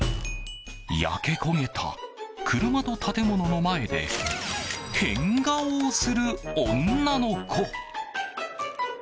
焼け焦げた車と建物の前で変顔をする女の子。